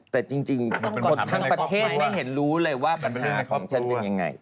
แต่จริงคนทั้งประเทศไม่เห็นรู้เลยว่าปัญหาของฉันเป็นยังไง